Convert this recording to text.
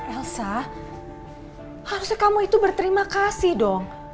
elsa harusnya kamu itu berterima kasih dong